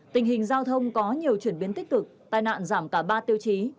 tình hình giao thông có nhiều chuyển biến tích cực tai nạn giảm cả ba tiêu chí